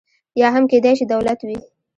یا هم کېدای شي دولت وي.